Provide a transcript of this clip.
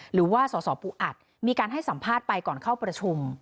หรือว่าสสปูอัดมีการให้สัมภาษณ์ไปก่อนเข้าประชุม